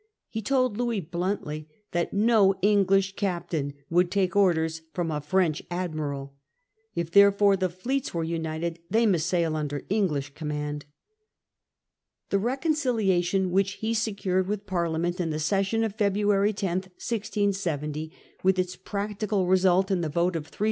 He told Louis bluntly that no English captain would take orders from a French admiral ; if therefore the fleets were united, they must sail under English command. 167a T riaty of Dover . 185 The reconciliation which lie secured with Parliament in the session of February 10, 1670, with its practical result in the vote of 300,000